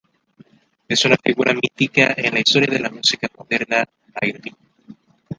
Es una figura mítica en la historia de la música moderna magrebí.